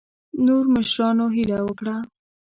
نورو مشرانو هیله وکړه.